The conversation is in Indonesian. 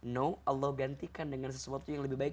no allah gantikan dengan sesuatu yang lebih baik